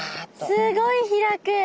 すごい開く。